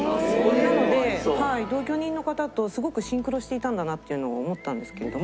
なので同居人の方とすごくシンクロしていたんだなっていうのを思ったんですけれども。